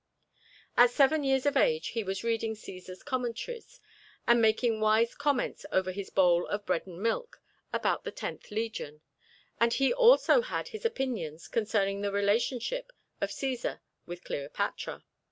At seven years of age he was reading Cæsar's "Commentaries" and making wise comments over his bowl of bread and milk about the Tenth Legion; and he also had his opinions concerning the relationship of Cæsar with Cleopatra.